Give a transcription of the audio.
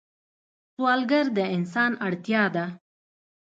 سوالګر د انسان اړتیا ده